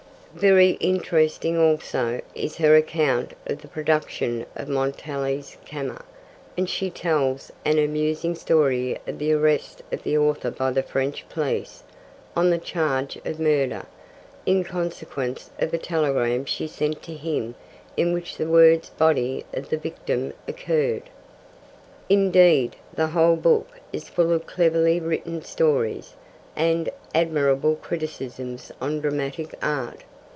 Very interesting, also, is her account of the production of Montanelli's Camma, and she tells an amusing story of the arrest of the author by the French police on the charge of murder, in consequence of a telegram she sent to him in which the words 'body of the victim' occurred. Indeed, the whole book is full of cleverly written stories, and admirable criticisms on dramatic art.